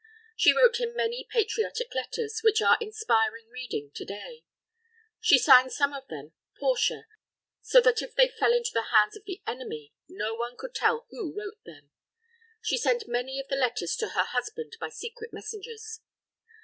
She wrote him many patriotic letters, which are inspiring reading to day. She signed some of them "Portia," so that if they fell into the hands of the enemy, no one could tell who wrote them. She sent many of the letters to her husband by secret messengers.